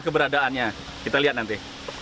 keberadaannya kita lihat nanti